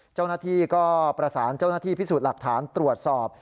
เจ้าหน้าที่ก็ประสานเจ้าหน้าที่พิสูจน์หลักฐานตรวจสอบ